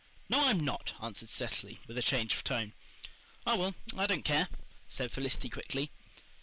"No, I'm not," answered Cecily, with a change of tone. "Oh, well, I don't care," said Felicity quickly.